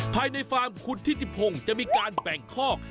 ภายในฟาร์มคุณทิติพงศ์จะมีการแบ่งคอก